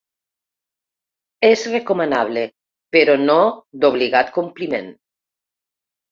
És recomanable, però no d’obligat compliment.